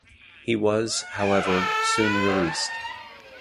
He was, however, soon released.